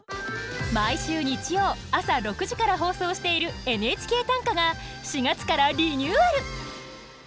毎週日曜朝６時から放送している「ＮＨＫ短歌」が４月からリニューアル。